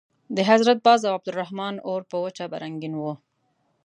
د حضرت باز او عبدالرحمن اور په وجه به رنګین وو.